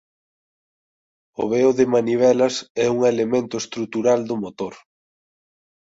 O veo de manivelas é un elemento estrutural do motor.